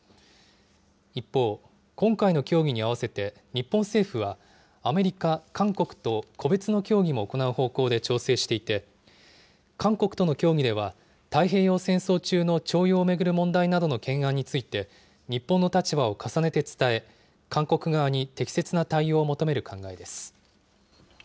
一方、今回の協議に合わせて、日本政府は、アメリカ、韓国と個別の協議も行う方向で調整していて、韓国との協議では、太平洋戦争中の徴用を巡る問題などの懸案について、日本の立場を重ねて伝え、韓国側に適切な対応を求める考えです。